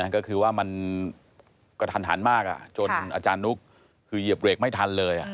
ก็คือว่ามันกระทันหันมากจนอาจารย์นุ๊กคือเหยียบเบรกไม่ทันเลย